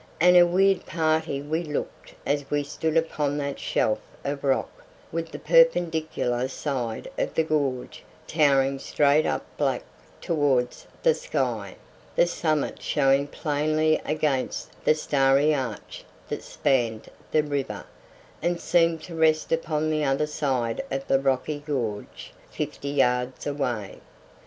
And a weird party we looked as we stood upon that shelf of rock, with the perpendicular side of the gorge towering straight up black towards the sky, the summit showing plainly against the starry arch that spanned the river, and seemed to rest upon the other side of the rocky gorge fifty yards away.